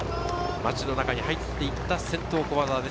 街の中に入っていった先頭・駒澤です。